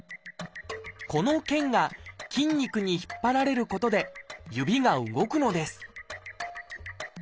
この腱が筋肉に引っ張られることで指が動くのです。